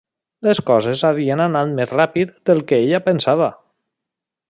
Les coses havien anat més ràpid del que ella pensava.